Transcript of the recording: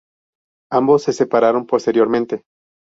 Ambos se separaron posteriormente.